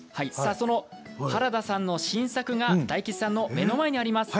原田さんの新作が大吉さんの目の前にあります。